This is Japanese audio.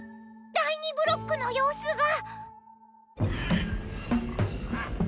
第２ブロックの様子が！